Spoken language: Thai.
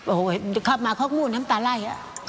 โอ้โหมันจะเข้ามาเข้ากรมูลทำตาไหล่